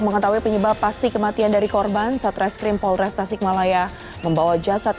mengetahui penyebab pasti kematian dari korban satreskrim polres tasikmalaya membawa jasad